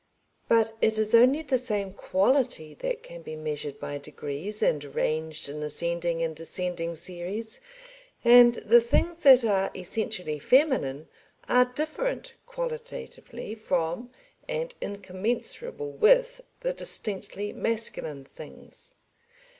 But it is only the same quality that can be measured by degrees and ranged in ascending and descending series, and the things that are essentially feminine are different qualitatively from and incommensurable with the distinctly masculine things.